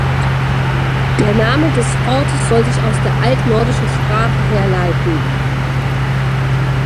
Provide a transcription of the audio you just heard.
Der Name des Ortes soll sich aus der Altnordischen Sprache herleiten.